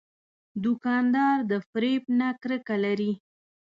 دوکاندار د فریب نه کرکه لري.